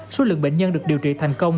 số lượng bệnh nhân được điều trị thành công